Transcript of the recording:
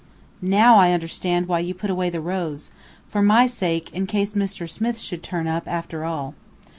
"Now I understand why you put away the rose for my sake, in case Mr. Smith should turn up, after all.